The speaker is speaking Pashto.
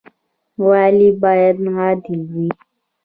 والي باید عادل وي